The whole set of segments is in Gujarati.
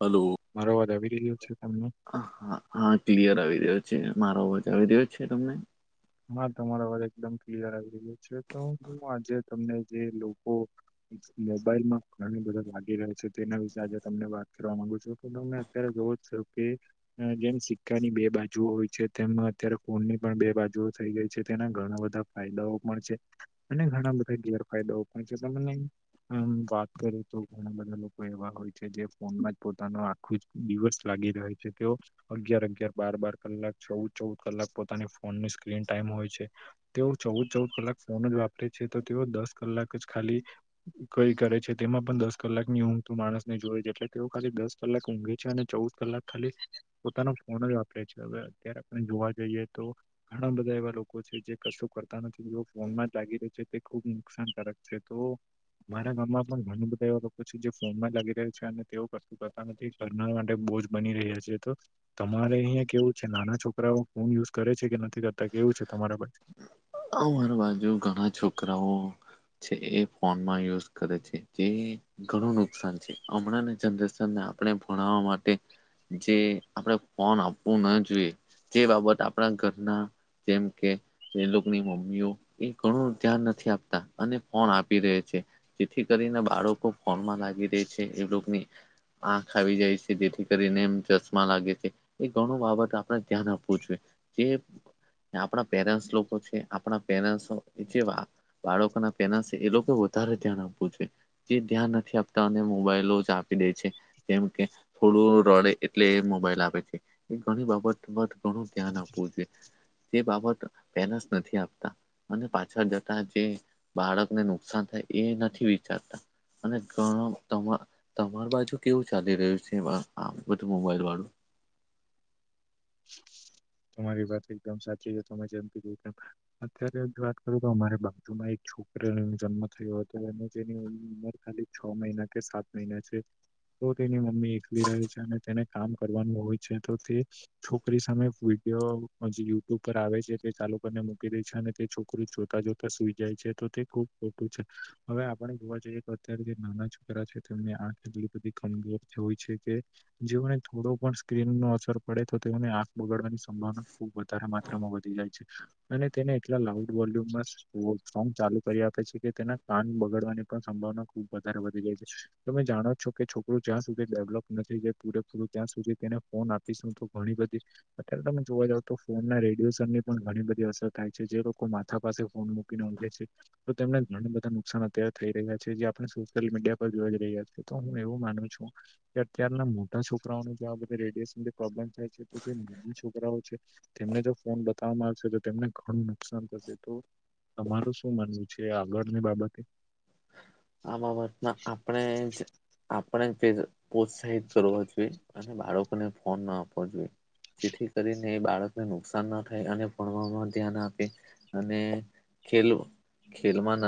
હલો મારો વાર આવી રહ્યો છે, તમને હા હા ક્લિયર આવી રહ્યો છે મારા વજ આવી રહ્યો છે. તમને હા, તમારા વાત એકદમ ક્લિયર આવી રહ્યો છે તો હું આજે તમને જે લોકો મોબાઈલમાં ઘણી બધા લાગી રહ છે, તેના વિશે આજે તમને વાત કરવા માંગુ છું તો તમને યારે છે કે અ જેમ સિક્કાની બે બાજુ હોય છે, તેમ અત્યારે કોણની પણ બે બાજુ થઈ ગઈ છે, તેના ઘણા બધા ફાયદાઓ પણ છે. અને ઘણા બધા ગેરફાયદાઓ પણ છે, તમને હમ વાત કરી તો ઘણા બધા લોકો એવા હોય છે, જે ફોનમાં જ પોતાનું આખું જ. દિવસ લાગી રહ છે, તેઓ અગિયાર અગયાર બાર-બાર કલાક ચૌદ-ચૌદ કલાક પોતાની ફોનની સ્ક્રીન ટાઈમ હોય છે. તેઓ ચૌદ, ચૌદ કલાક ફોન જ વાપરે છે તો તેઓ દસ કલાક જ ખાલી કઈ કરે છે તેમાં પણ દસ કલાકની ઊંઘ તું માણસ ને, જોય છે એટલે તેઓ ખાલી દસ કલાક ઊંઘે છે અને, ચૌદ કલાક ખાલી પોતાનો ફોન જ વાપરે છે, હવે અત્યારે આપણે જોવા જઈએ તો ઘણા બધા એવા લોકો છે જે કશું કરતા નથી તેઓ ફોનમાં જ લાગી રહ્યા છે તે ખુબ નુકસાનકારક છે, તો મારા ગામ માં પણ ઘણા બધા એવા લોકો છે, જે ફોન માં લાગી રહ્યા છે અને તેઓ કશું કરતા નથી. કરનર માટે બોુજ બની રહ્યા છે, તો તમારે અહં કેવું છે, નાના છોકરાઓ ફોન યુઝ કરે છે, કે નથી કરતા કેવું છે, તમારા પાસે અ હર બાજુ ઘણા છોકરાઓ છે. એ ફોનમાં યુઝ કરે છે જે ઘણું નુકસાન છે. હમણાં જનરેશનને આપણે ભણવા માટે જે આપણેે ફોન આપવું ના જોઈએ. જે બાબત આપણા ઘરના જેમ કે લોકો મમ્મીઓ એ ઘણું ધ્યાન નથી આપતા અને ફોન આપી રે છે. જેથી કરીને બાળકો ફોનમાં લાગી રહી છે, એ લોકોની આંખ આવી જાય છે, જેથી કરીને એમ ચશ્મા લાગે છે. એ ઘણ બાબત આપણે ધ્યાન આપવું જોઈએ જે આપણા પેરે્ આપણા પે જે બાળકો ના પે છે એ લોકો વધારે ધ્યાન આપવું છે. જે ધ્યાન નથી આપતા અને મોબાઈલો જ આપી દે છે, જેમ કે થોડું રડે એટલે મોબાઈલ આપે છે એ ઘણી બાબત ઘણું ધ્યાન આપવું જોઈ. તે બાબત પેલાસ નથી આપતા. અને પાછળ જતા જે બાળકને નુકસાન થાય એ નથી વિચારતા. અને ઘણા તમા તમાર બાજુ કેવું ચાલી રહ્યું છે, આ બધું મોબાઈલ વાળું તમારી વાત એકદમ સાચી છે, તમે જેમતીમ અત્યારે જો વાત કરું તો અમારી બાપજુમાં એક છોકરી જન્મ થયો હતો એ જેની ઉંમર ખાલી છ મહિના કે સાત મહિના છે, તો તેની મમ્મી એકલી રહે છે. અને તેને કામ કરવાનું હોય છે. તો તે છોકરી સામે વિડીયો જે યુટ્યુબ પર આવે છે. તે ચાલુ કરીને મૂકી દે છે. અને તે છોકરી જોતા, જોતા સુઈ જાય છે. તો તે ખુબ ખોટું છે. હવે આપણે જોવા જઈએ કે અત્યારે જે નાના તેમની આંખ એટલી બધી કમજોર હોય છે. કે જેઓને થોડો પણ સ્ક્રીન નો અસર પડે તો તેઓને આંખ બગાડવાની સંભાવના ખુબ વધારે માત્રામાં વધી જાય છે. અને તેને એટલા લાઉડ વોલ્યુમમાં સોંગ ચાલુ કરી આપે છે કે તેના કાન બગાડવાની પણ સંભાવના ખુબ વધારે વધી જાય છે. તમે જાણો છો કે છોકરું જ્યાં સુધી ડેવલપ નથી. જાય પૂરેપૂરું ત્યાં સુધી તેને ફોન આપીશું તો ગણીપતિ અત્યારે તમે જોવા જાવ તો ફોન રેડિએશન ની પણ ઘણી બધી અસર થાય છે. જે લોકો માથા પાસે ફોન છે. તો તેમને ઘણા બધા નુકસાન અત્યારે થઈ રહ્યા છે, જે આપણે સોશિયલ મીડિયા પર જોઈ જ રહ્યા છી, તો હું એવું માનું છુ. કે અત્યારના મોટા છોકરાઓને જો બધ રેડિયેશન પ્રોબ્લેમ થાય છે. તો જે મો છોકરાઓ છે. તેમને જો ફોન બતાવવા માંગશે તો તેમને ઘણું નુકસાન થશે તો તમારું શું માનવું છે. આગળની બાબતે આમાં ભટમાં આપપણા અપણા પ્રોત્સાહિત કરવા જોઈએ, અને બાળકોને ફોન ના જેથી કરીને બાળકને નુકસાન ના થાય અને ભણવામાં ધ્યાન આપે અને ખેલ ખેલમાં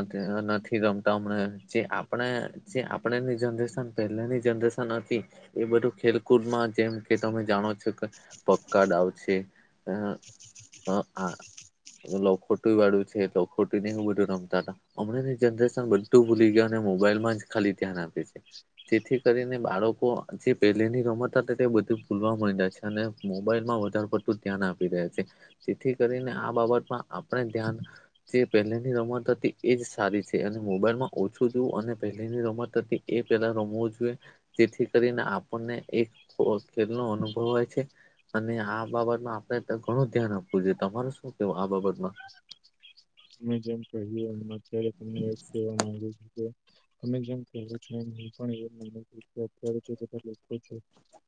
નથી રમ મ જે આપણે જે આપણેની જનરેશન પહેલાની જનરેશન હતી. એ બધું ખેલકૂદમાં જેમ કે તમે જાણો છો. કે પક્કા ડ આ ખોટું વાળું છે. ખોટી નને હું બધું રમતા હતા હમણાં બધું ભૂલી ગય અને મોબાઈલમાં જ ખાલી ધ્યાન આપે છે. જેથી કરીને બાળકો જે પહેલેની રમત હતી તે બધું ભૂલવા મળી જાય છે. અને મોબાઈલમાં વધારે પડતું ધ્યાન આપી રહ્યા છે. જેથી કરીને આ બાબતમાં આપણે ધ્યાન જે પહેલેની રમત હતી એજ સારી છે. મોબાઈલમાં ઓછું જોવુ, અને પહેની રમત હતી એ પેલા રમવું જોઈએ જેથી કરીને આપણને એક ખેલ નો અનુભવ હોય છે. અને આ બાબતમાં આપણે ઘણું ધ્યાન, આપવું જોઈએ તમારે શું કેવું આ બાબતમાં તમે જેમ કહ્યું એમ અત્યારે તમને કહેવા માંગુ છ. ત જેમ કેવું છે, હ છ.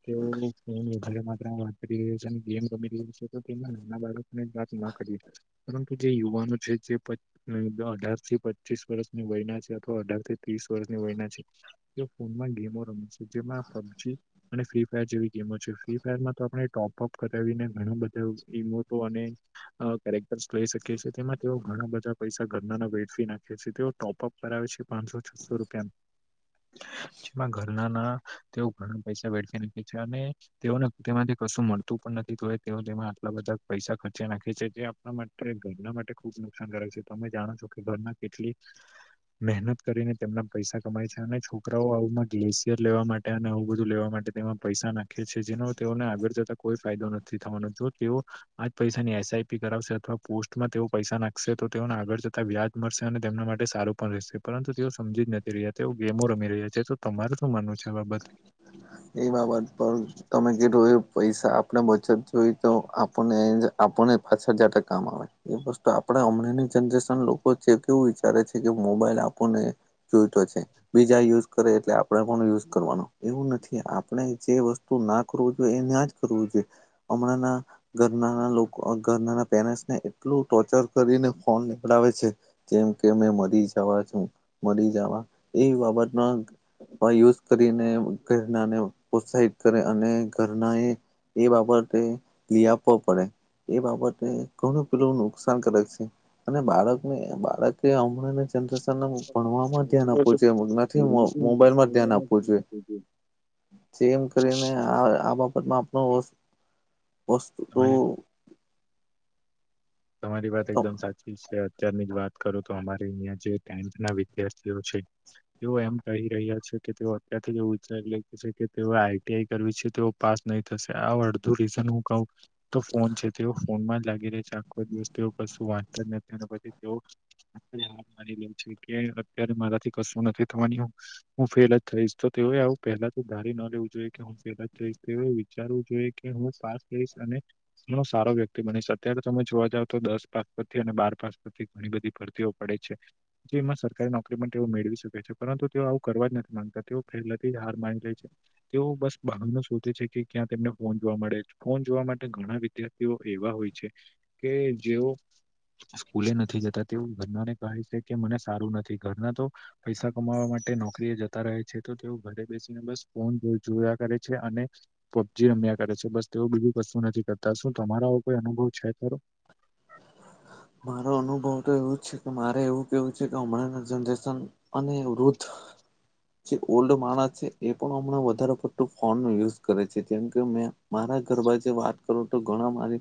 કેવુ હ માત્ર વાત કરી રહ છે ગેમ ગમી રહી છે. તો કે નાના બાળકો ને વાત ના કરી પરંતુ જે યુવાનો છે. જે અઢાર થી પચીસ વર્ષની વયના છે, અથવા અઢાર થી ત્રીસ વર્ષની વયના છે. તે ફોનમાં ગેમો રમે છે. જેમાં પબજી અને ફ્રી ફાયર જેવી ગેમો છે ફ્રી ફાયરમાં તો આપણે ટોપઅપ કરાવીને ઘણા બધા ગેમો તો અને કેરેક્ટર્સ લઈ શકીએ છીએ, તેમાં તેઓ ઘણા બધા પૈસા ઘરના ના વેઠવી નાખે છે, તેઓ ટોપઅપ કરાવે છે, પાંચસો છસો રૂપિયા જેમાં ઘરના ના તેઓ ઘણા પૈસા વેળ નાખે છે. અને તેઓ તેમાંથી કશું મળતું પણ નથી તોય તેઓ તેમાં આટલા બધા પૈસા ખર્ચી નાખે છે. જે માટે ઘરના માટે ખુબ નુકસાનકારક છે તમે જાણો છો. કે ઘરના કેટલી મહેનત કરીને તેમના પૈસા કમાય છે. અને છોકરાઓ આવમાં ગ્લેશિયર લેવા માટે અને આવું બધું લેવા માટે તેમાં પૈસા નાખે છે. જેનો તેઓને આગળ જતા કોઈ ફાયદો નથી થવાનો તો તેઓ આજ પૈસાની એસઆઈપી કરાવશે અથવા પોસ્ટમાં તેઓ પૈસા નાખશે તો તેઓને આગળ જતા વ્યાજ મળશે અને તેમના માટે સારું પણ રહેશે પરંતુ તેઓ સમજી, જ નથી. રહ્યા છે એવું ગેમો રમી રહ્યા છે. તો તમારે શું માનવું છે, આ બાબતે એ બાબત પણ તમે કેધું એ પૈસા આપણે બચત જોઈ તો આપણને આપણને પાંચ હજાર કામ આવે એ વસ્તુ આપણા હમણાંની જનરેશન લોકો છે કેવું વિચારે છે, કે મોબાઈલ આપો ને જોઈતો છે, બીજા યુઝ કરે એટલે આપણેે પણ યુઝ કરવાનો એવું નથી કે આપણે જે વસ્તુ ના કરવું જોઈએ એ ના જ કરવું જોઈએ. હમણાં ના ઘરના ઘરના પેરેન્ટસ ને એટલું ટોર્ચર કરીને ફોન નીકડાવે છે જેમ કે અમે મરી જવા છું મરી જવા એ બાબતના યુઝ કરીને ઘરનાને પ્રોત્સાહિત કરે અને ઘરના એ એ બાબતે લી આપવો પડે. એ બાબતે ઘણું પેલું નુકસાનકારક છે. અને બાળકને બાળકે હમણાં [unintelligible] ભણવામાં ધ્યાન આપવું જોઈએ. નથી મોબાઈલમાં ધ્યાન આપવું જોઈએ જેમ કરીને આ આ બાબતમાં આપણું વસ્તુ તમારી તમારી વાત એકદમ સાચી છે. અત્યારની જ વાત કરો તો અમારે અહીંના જે ટેન્થ ના વિદ્યાર્થીઓ છે તેઓ એમ કહી રહ્યા છે કે તેઓ અત્યારથી જ એવું વિચારી લે છે કે તેઓ એ આઈટીઆઈ કરવી છે તેઓ પાસ નહી થશે. આ અડધું રીઝન હું કહું તો ફોન છે તેઓ ફોનમાં જ લાગી રહે છે કોઈ દિવસ તેઓ કશું વાંચતા જ નથી અને પછી તેઓ હાર મારી લે છે કે અત્યારે મારાથી કશું નથી થવાની હું હું ફેલ જ થઈશ તો, તેઓએ આવું પહેલા તો ધારી ન લેવું જોઈએ કે હું ફેલ થઈશ. તેઓએ વિચારવું જોઈએ કે હું સાથ દઈશ અને ઘણો સારો વ્યક્તિ બનીશ. અત્યારે, તમે જોવા જાવ તો દસ પાસ પરથી અને બાર પાસ પરથી ઘણી બધી ભરતીઓ પડે છે. જે એમાં સરકારી નોકરી પણ તેઓ મેળવી શકે છે પરંતુ તેઓ આવું કરવા જ નથી માંગતા. તેઓ પહેલાથી જ હાર માની લે છે. તેઓ બસ બહાનું શોધે છે કે, ક્યાં તેમને ફોન જોવા મળે. ફોન જોવા માટે ઘણા વિધ્યા તેઓ એવા હોય છે કે, જેઓ સ્કૂલે નથી જતા. તેવું ઘરના ને કહે છે કે મને સારું નથી ઘરના તો પૈસા કમાવવા માટે નોકરી એ જતા રહે છે, તો તેઓ ઘરે બેસીને બસ ફોન જોયા કરે છે. અને પબજી રમ્યા કરે છે બસ તેવું બીજું કશું નથી કરતા શું તમારા આવો કોઈ અનુભવ છે ખરો? મારો અનુભવ તો એવું જ છે કે, મારે એવું કેવું છે કે હમણાં ના જનરેશન અને વૃદ્ધ જે ઓલ્ડ માણસ છે એ પણ હમણાં વધારે પડતું ફોન નો યુઝ કરે છે. જેમકે, મેં મારા ઘરમાં જે વાત કરું તો ઘણા મારી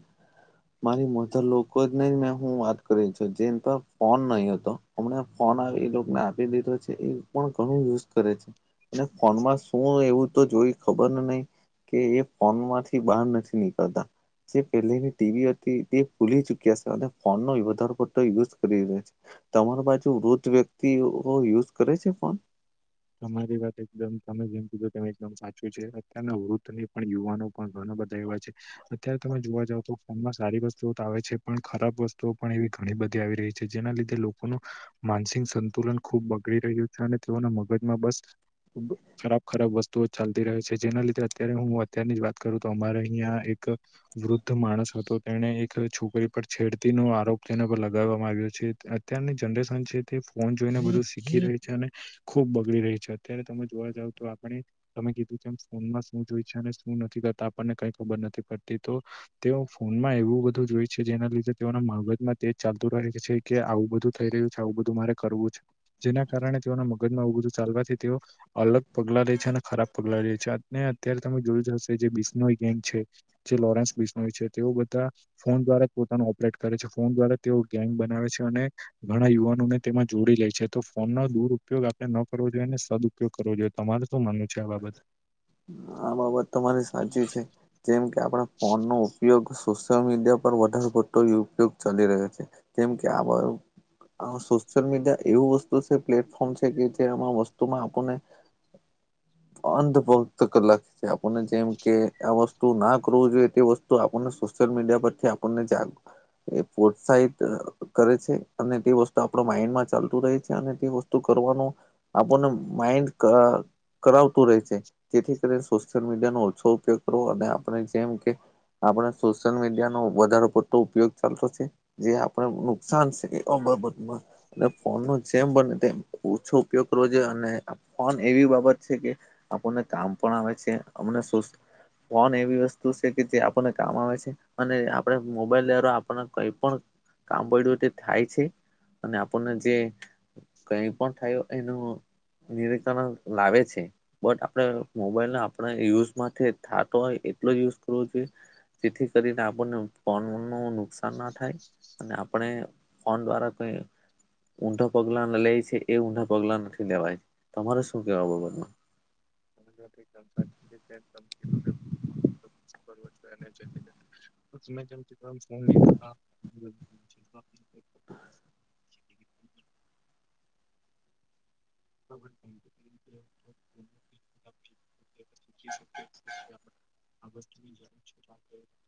મારી મધર લોકો જ નને મે હું વાત કરી છું જે પર ફોન નહી હતો હમને ફોન આવે એ લોક ને આપી દીધો છે એ પણ ઘણું યુઝ કરે છે. અને ફોનમાં શું એવું તો જોઈ ખબર નહીં. કે એ ફોન માંથી બહાર નથી નીકળતા. જે પહેલેની ટીવી હતી તે ભૂલી ચુક્યા છે અને ફોન ન વધાર પડતો યુઝ કરી રહ્યો છે. તમાર બાજુ વૃદ્ધ વ્યક્તિઓ યુઝ કરે છે ફોન? તમારી વાત એકદમ તમે જેમ કીધો તેમ એકદમ સાચું છે અત્યારના વૃદ્ધની પણ યુવાનો પણ ઘણા બધા એવા છે. અત્યારે તમે જોવા જાવ તો ફોનમાં સારી વસ્તુઓ તો આવે છે, પણ ખરાબ વસ્તુઓ પણ એવી ઘણી બધી આવી રહી છે. જેના લીધે લોકોનું માનસિક સંતુલન ખૂબ બગડી રહ્યું છે, અને તેઓના મગજમાં બસ ખરાબ ખરાબ વસ્તુઓ ચાલતી રહે છે. જેના લીધે અત્યારે હું અત્યારની જ વાત કરું તો અમારે અહિયાં એક વૃદ્ધ માણસ હતો તેને એક છોકરી પર છેડતી નો આરોપ તેના પર લગાવવામાં આવ્યો છે અત્યારની જનરેશન છે તે ફોન જોઈને બધું શીખી રહી છે અને ખૂબ ગી રહી છે અત્યારે તમે જોવા જાવ તો આપણે તમે કીધું તેમ ફોનમાં શું જોય છે અને શું નથી કરતા આપણને કઈ ખબર નથી પડતી તો તેઓ ફોનમાં એવું બધું જોય છે. જેના લીધે તેઓના માગજમાં તેજ ચાલતું રહે છે કે આવું બધું થઈ રહ્યું છે, આવું બધું મારે કરવું છે. જેના કારણે તેઓના મગજમાં આવું બધું ચાલવાથી તેઓ અલગ પગલાં લે છે અને ખરાબ પગલાં લે છે અને અત્યારે તમે જોયું જ હશે જે બિશ્નોઈ ગેંગ છે જે લોરેન્સ બિશ્નોઈ છે તેઓ બધા ફોન દ્વારા પોતાનું ઓપરેટ કરે છે, ફોન દ્વારા તેઓ ગેંગ બનાવે છે અને ઘણા યુવાનોને તેમાં જોડી લે છે. તો ફોન નો દુરપયોગ આપણે ન કરવો જોઈએ ને સદુપયોગ કરવો જોઈએ. તમારે શું માનવું છે આ બાબત આ બાબત તમા મારી સાચી છે. જેમ કે આપણે ફોનનોો ઉપયોગ સોશિયલ મીડિયા પર વધારે પતો ઉપયોગ ચા રહ્યો છે. કેમ કે આ બ સોશિયલ મીડિયા એવું વસ્તુ છે પ્લેટફોર્મ છે કે જે આ વસ્તુમાં આપણને અંધપલ [inaudible] [unintelligible] કલાક આપણને જેમ કે આ વસ્તુ ના કરવ જોઈએ તે વસ્તુ આપણને સોશિયલ મીડિયા પરથી. કોને જાગ એ પ્રોત્સાહિત કરે છે અને તે વસ્તુ આપ માઈન્ડમાં ચાલતું રહે છે અને તે વસ્તુ કરવાનું આપણને માઇન્ડ કરાવતું રહે છે. જેથી કરીને સોશિયલ મીડિયાનો ઓછો ઉપયોગ કરવો અને આપણે જેમ કે આપણે સોશિયલ મીડિયા નો વધારેો પતો ઉપયોગ ચાલતો છે? જે આપણે નુકસાન છે કે આ બાબતમાં અને ફોન ન જેમ બને તેમ ઓછો ઉપયોગ કરવો જોઈએ અને ફોન એવી બાબત છે કે આપણને કામ પણ આવે છે અમને શ કોન એવી વસ્તુ છે કે જે આપણને કામ આવે છે. અને આપણે મોબાઈલ દ્વારા આપણને કઈ પણ કામ પડ્યું થાય છે. અને આપણને જે કઈ પણ થયું એનું નિરીકરણ લાવે છે બટ આપણે મોબાઈલ આપણે યુઝમાં થતો હોય એટલો જ યુઝ કરવો જોઈએ જેથી કરીને આપણને ફન ન નુકસાન ના થાય અને આપણે ફોન દ્વારા કોઈ ઊંડાા પગલા લે છે એ ઊંડાા પગલા નથી લેવાય તમારે શું કેવા બગતમાં અને સંસા [inaudible] કરવો છએ તમે જેમ ફોન લતા [inaudible] [inaudible] જ છ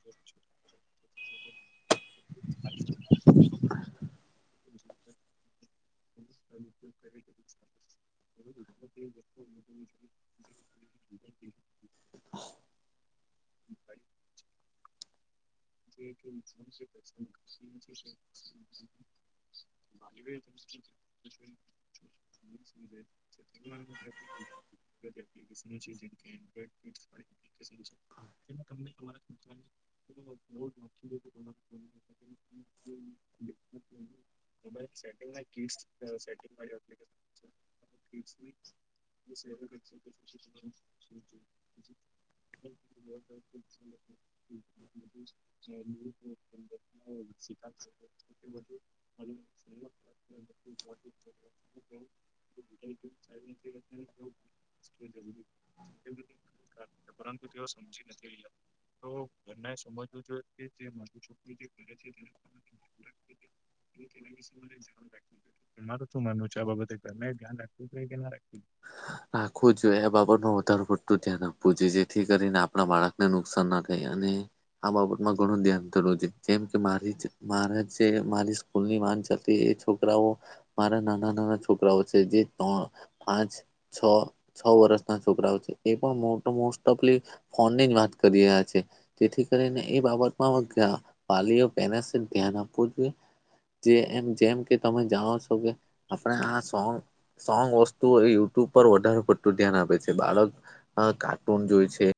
[inaudible] [unintelligible] વા ભ [unintelligible] [unintelligible] બ માછી સેટિંગી સેટંગ. [unintelligible] [inaudible] [unintelligible] હમ. એ સમજીી નથી. તો બને એ સમજવું જોઈએ કે જે મારીું છોકરી જે કરે છે. [unintelligible] રા માર શું માનવ છે આ બાબતે મેં ધ્યાન રાખવું જો કે ના રાખવું રાખવું જોઈએ એ બાબત ન વધાર પડતું ધ્યાન આપવું જોઈએ જેથી કરીને આપણા બાળક મે નુકસાનના થહીયા અને આ બાબતમાં ઘણું ધ્યાન થવું છે જેમ કે મારી મારા જે મારી ભૂલની માન ચતી એ છોકરાઓ મારા નાના નાના છોકરાઓ છે જે્ર પાંચ છ છ વર્ષના છોકરાઓ છે એ પણ મો મોસ્ટ ઓફ લિ ફોન ની જ વાત કરી રહ્યા છે. જેથી કરીને એ બાબતમાં વાલીઓ પે ધ્યાન આપવું જોઈએ જેમ જેમ કે તમે જાણો છો કે આપણે આ સોંગ સોંગ વસ્તુ યુટ્યુબ પર વધારે પડતું ધ્યાન આપે છે બાળક કાર્ટૂન જોય છે.